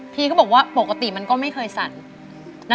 พี่ก็บอกว่าปกติมันก็ไม่เคยสั่น